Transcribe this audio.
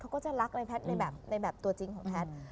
เขาก็จะรักในแพทย์ในแบบตัวจริงของแพทย์